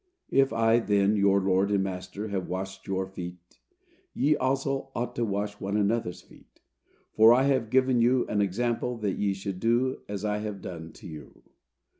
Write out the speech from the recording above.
If I, then, your Lord and Master, have washed your feet, ye also ought to wash one another's feet; for I have given you an example that ye should do as I have done to you."